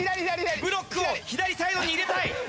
ブロックを左サイドに入れたい。